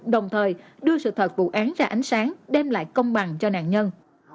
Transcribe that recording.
đồng thời đưa sự thật vụ án ra ánh sáng đem lại công bằng cho nạn nhân